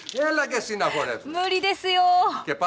無理ですよ。